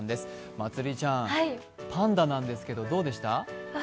まつりちゃん、パンダなんですけどどうでした？